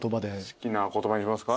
好きな言葉にしますか。